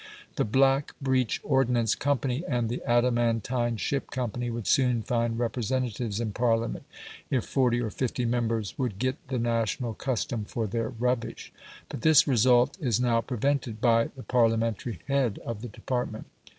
The "Black Breech Ordnance Company" and the "Adamantine Ship Company" would soon find representatives in Parliament, if forty or fifty members would get the national custom for their rubbish. But this result is now prevented by the Parliamentary head of the department.